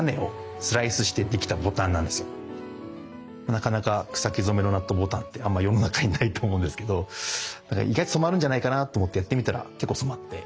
なかなか草木染めのナットボタンってあんま世の中にないと思うんですけど意外と染まるんじゃないかなと思ってやってみたら結構染まって。